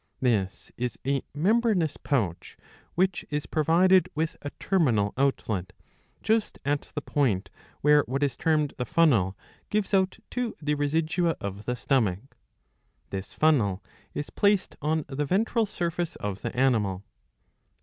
This is a membranous pouch, which is provided with a terminal outlet just at the point where what is termed the funnel gives issue to the residua of the stomach. This funnel is placed on the ventral surface of the animal.